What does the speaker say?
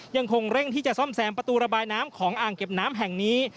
ยังคงเร่งที่จะซ่อมแซมประตูระบายน้ำของอ่างเก็บน้ำแห่งนี้